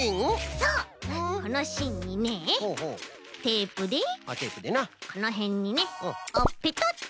そうこのしんにねテープでこのへんにねあっペタッと。